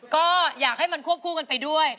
ก็อยากให้มันควบคู่กันไปด้วย